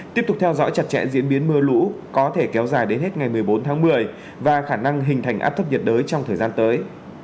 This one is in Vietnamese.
tiếp tục theo dõi chặt chẽ diễn biến mưa lũ có thể kéo dài đến hết ngày một mươi bốn tháng một mươi và khả năng hình thành áp thấp nhiệt đới trong thời gian tới